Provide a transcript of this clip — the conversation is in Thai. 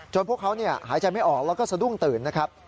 พวกเขาหายใจไม่ออกแล้วก็สะดุ้งตื่นนะครับ